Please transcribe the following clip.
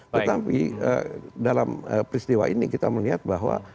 tetapi dalam peristiwa ini kita melihat bahwa